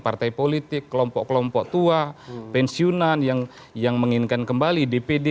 partai politik kelompok kelompok tua pensiunan yang menginginkan kembali dpd